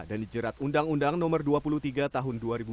dan dijerat undang undang no dua puluh tiga tahun dua ribu dua